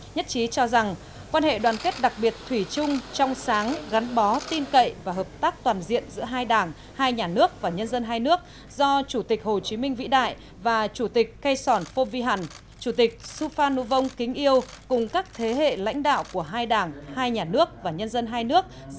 nhất trí cho rằng quan hệ đoàn kết đặc biệt thủy chung trong sáng gắn bó tin cậy và hợp tác toàn diện giữa hai đảng hai nhà nước và nhân dân hai nước do chủ tịch hồ chí minh vĩ đại và chủ tịch cây sòn phô vi hẳn chủ tịch suphan nú vong kính yêu cùng các thế hệ lãnh đạo của hai đảng hai nhà nước và nhân dân hai nước